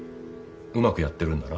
うまくやってるんだな？